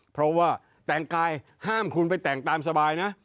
เพราะว่าแต่งกายห้ามคุณไปแต่งตามสบายนะ